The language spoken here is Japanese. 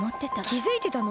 きづいてたの？